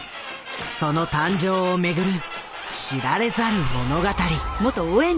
その誕生を巡る知られざる物語。